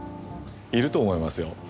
いると思いますよ